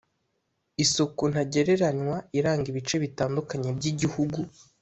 isuku ntagereranywa iranga ibice bitandukanye by’igihugu